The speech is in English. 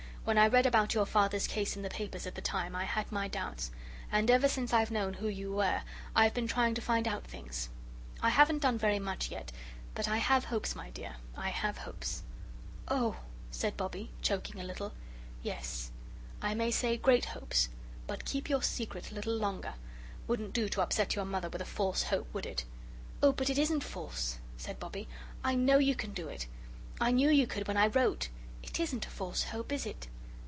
When I read about your Father's case in the papers at the time, I had my doubts. And ever since I've known who you were, I've been trying to find out things. I haven't done very much yet. But I have hopes, my dear I have hopes." "Oh!" said Bobbie, choking a little. "Yes I may say great hopes. But keep your secret a little longer. Wouldn't do to upset your Mother with a false hope, would it?" "Oh, but it isn't false!" said Bobbie; "I KNOW you can do it. I knew you could when I wrote. It isn't a false hope, is it?"